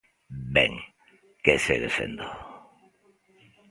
Ben, ¡que segue sendo!